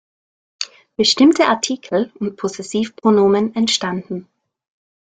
Bestimmte Artikel und Possessivpronomen entstanden.